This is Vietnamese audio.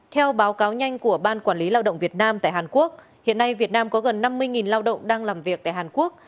theo báo cáo nhanh của ban quản lý lao động việt nam tại hàn quốc hiện nay việt nam có gần năm mươi lao động đang làm việc tại hàn quốc